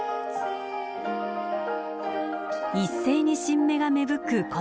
一斉に新芽が芽吹くこの時期。